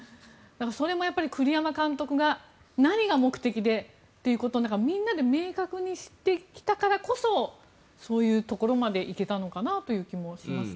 それもやっぱり栗山監督が何が目的でということをみんなで明確にしてきたからこそそういうところまで行けたのかなという気もします。